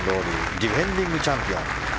ディフェンディングチャンピオン。